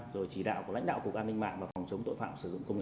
rồi chỉ đạo của lãnh đạo cục an ninh mạng và phòng chống tội phạm